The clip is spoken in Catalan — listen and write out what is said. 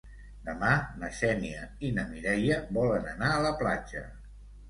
Demà na Xènia i na Mireia volen anar a la platja.